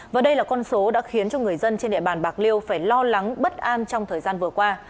và đây là con số đã khiến cho người dân trên địa bàn bạc liêu phải lo lắng bất an trong thời gian vừa qua